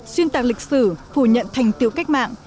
xuyên tạc lịch sử phủ nhận thành tiêu cách mạng